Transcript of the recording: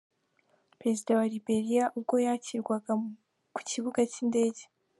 Perezida wa Liberia ubwo yakirwaga ku kibuga cy’indege.